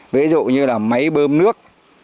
ví dụ như là máy bơm nước